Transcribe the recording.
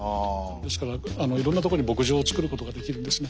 ですからいろんなところに牧場をつくることができるんですね。